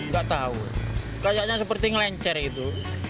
gak tahu ya kayaknya seperti ngelencer itu